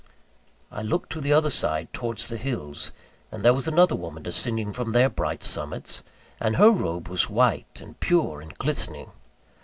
I looked to the other side, towards the hills; and there was another woman descending from their bright summits; and her robe was white, and pure, and glistening.